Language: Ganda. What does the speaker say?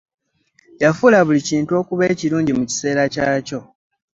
Yafuula buli kintu okuba ekirungi mu kiseera kyakyo.